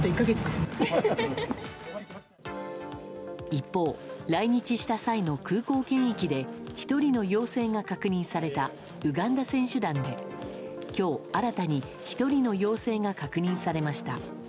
一方、来日した際の空港検疫で１人の陽性が確認されたウガンダ選手団で今日新たに１人の陽性が確認されました。